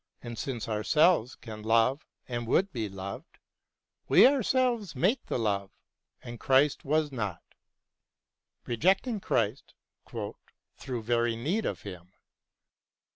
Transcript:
And since ourselves can love and would be loved. We ourselves make the love, and Christ was not — rejecting Christ " through very need of Him